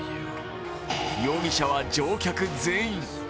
容疑者は乗客全員。